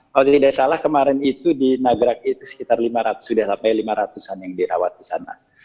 kalau tidak salah kemarin itu di nagrak itu sekitar lima ratus sudah sampai lima ratus an yang dirawat di sana